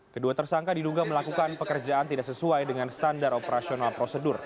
kedua tersangka diduga melakukan pekerjaan tidak sesuai dengan standar operasional prosedur